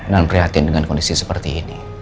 dan prihatin dengan kondisi seperti ini